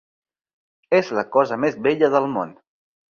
És la cosa més bella del món.